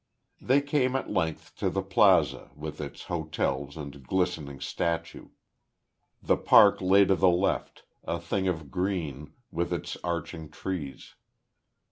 They came at length to the Plaza, with its hotels, and glistening statue. The Park lay to the left, a thing of green, with its arching trees.